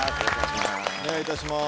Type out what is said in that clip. お願いいたします。